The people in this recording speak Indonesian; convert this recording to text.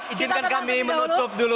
ijinkan kami menutup dulu